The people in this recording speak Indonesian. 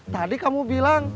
tadi kamu bilang